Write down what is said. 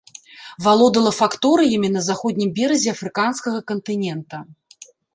Валодала факторыямі на заходнім беразе афрыканскага кантынента.